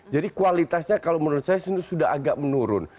jadi kualitasnya kalau menurut saya sudah agak menurun